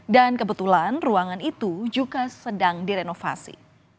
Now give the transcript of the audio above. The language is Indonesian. dan kebetulan ruangan itu juga sedang direnovasi